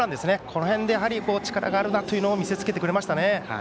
この辺で力があるなというのを見せ付けてくれましたね。